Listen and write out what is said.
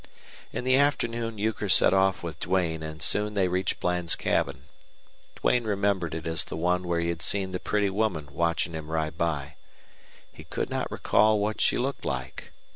In the afternoon Euchre set off with Duane, and soon they reached Bland's cabin. Duane remembered it as the one where he had seen the pretty woman watching him ride by. He could not recall what she looked like.